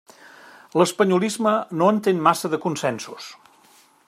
L'espanyolisme no entén massa de consensos.